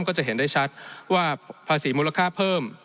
ก็จะเห็นได้ชัดว่าภาษีมูลค่าเพิ่ม